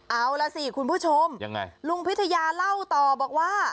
เอาล่ะสิคุณผู้ชมยังไงลุงพิทยาเล่าต่อบอกว่า